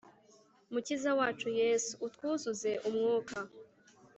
mukiza wacu yesu, utwuzuz' umwuka,